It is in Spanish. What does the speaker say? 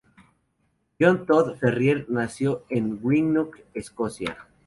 John Todd Ferrier nació en Greenock, Escocia.